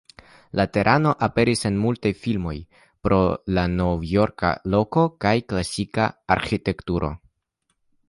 La tereno aperas en multaj filmoj, pro la novjorka loko kaj la klasika arĥitekturo.